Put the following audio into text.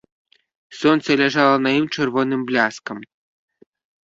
Сонца ляжала на ім чырвоным бляскам.